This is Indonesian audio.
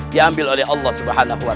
diambil oleh allah swt